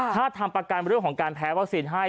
ถ้าทำประกันเรื่องของการแพ้วัคซีนให้